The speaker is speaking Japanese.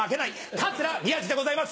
桂宮治でございます